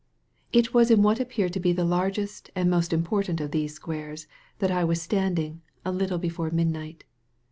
It was in what appeared to be the largest and most important of these squares that I was stand ing, a little before midnight.